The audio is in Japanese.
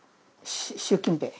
習近平。